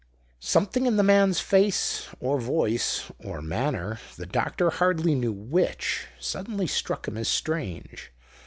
Something in the man's face, or voice, or manner the doctor hardly knew which suddenly struck him as strange.